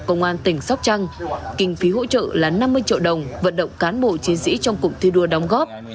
công an tỉnh sóc trăng kinh phí hỗ trợ là năm mươi triệu đồng vận động cán bộ chiến sĩ trong cụm thi đua đóng góp